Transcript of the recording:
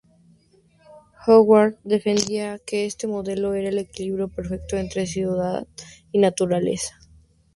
Howard defendía que este modelo era el equilibrio perfecto entre ciudad y naturaleza.